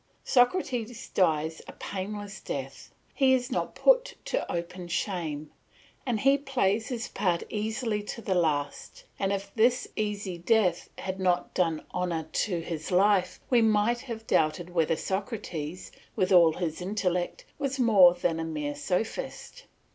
Socrates dies a painless death, he is not put to open shame, and he plays his part easily to the last; and if this easy death had not done honour to his life, we might have doubted whether Socrates, with all his intellect, was more than a mere sophist.